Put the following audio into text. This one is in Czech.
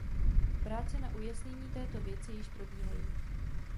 Práce na ujasnění této věci již probíhají.